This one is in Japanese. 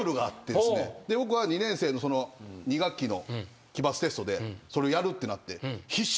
僕は２年生の２学期の期末テストでそれやるってなって。